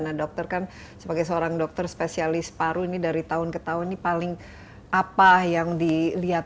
nah dokter kan sebagai seorang dokter spesialis paru ini dari tahun ke tahun ini paling apa yang dilihat